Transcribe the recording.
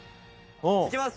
いきます！